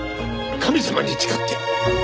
神様に誓って。